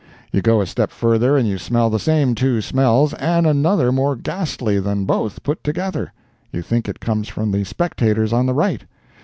You go a step further and you smell the same two smells, and another more ghastly than both put together; you think it comes from the spectators on the right.